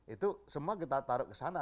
itu semua kita taruh ke sana